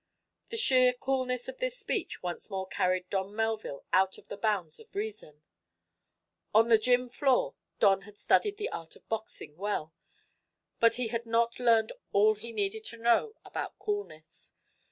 The sheer coolness of this speech once more carried Don Melville out of the bounds of reason. On the "gym" floor Don had studied the art of boxing well, but he had not learned all he needed to know about coolness.